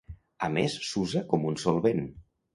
A més s'usa com un solvent.